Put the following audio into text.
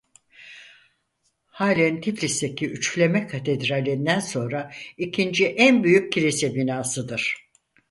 Halen Tiflis'teki Üçleme Katedrali'nden sonra ikinci en büyük kilise binasıdır.